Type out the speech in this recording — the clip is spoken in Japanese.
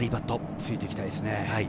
ついていきたいですね。